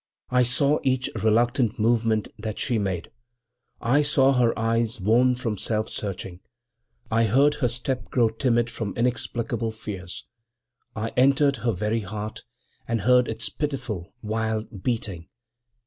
I saw each reluctant movement that she made. I saw her eyes, worn from self searching; I heard her step grown timid from inexplicable fears; I entered her very heart and heard its pitiful, wild beating.